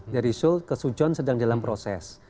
dari seoul ke sujon sedang dalam proses